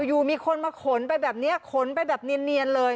อยู่มีคนมาขนไปแบบนี้ขนไปแบบเนียนเลย